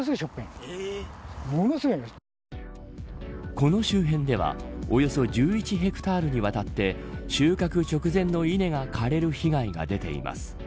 この周辺ではおよそ１１ヘクタールにわたって収穫直前の稲が枯れる被害が出ています。